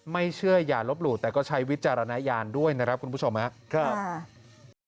ไม่เชื่ออย่าลบหลู่แต่ก็ใช้วิจารณญาณด้วยนะครับคุณผู้ชมครับ